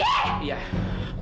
iya aku pergi